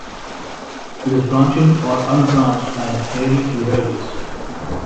It is branching or unbranched and hairy to hairless.